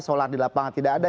solar di lapangan tidak ada